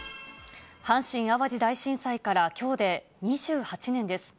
阪神・淡路大震災からきょうで２８年です。